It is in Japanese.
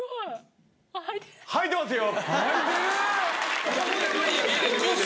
はいてますよ。